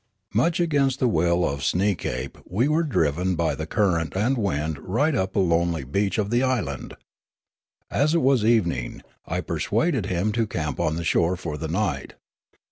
Much against the w^ill of Sneekape we were driven by the current and the wind right upon a lonely beach of the island. As it was evening, I persuaded him to camp on the shore for the night.